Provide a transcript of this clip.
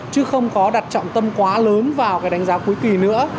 chứ không có đặt trọng tâm quá lớn vào cái đánh giá cuối kỳ nữa